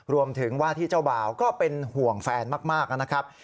รวมถึงว่าที่เจ้าบ่าวก็เป็นห่วงแฟนมากนะครับ